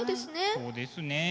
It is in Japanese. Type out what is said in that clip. そうですね。